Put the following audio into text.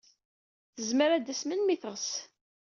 Tezmer ad d-tas melmi ay teɣs.